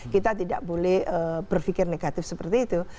kita tidak boleh berpikir negatif seperti itu